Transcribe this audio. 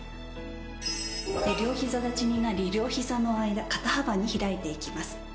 両膝立ちになり両膝の間肩幅に開いていきます。